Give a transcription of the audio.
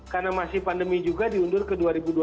karena masih pandemi juga diundur ke dua ribu dua puluh tiga